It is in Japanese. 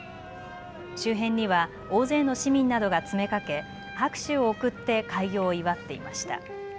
周辺には大勢の市民などが詰めかけ、拍手を送って開業を祝っていました。